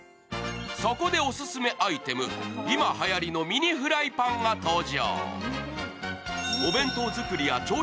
そこでオススメアイテム、今はやりのミニフライパンが登場。